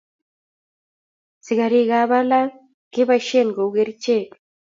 sigarik ab ketik alal keboishen kouu kerichek